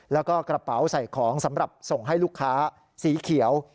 แล้วก็กระเป๋าใส่ของสำหรับส่งให้ลูกค้าสีเขียว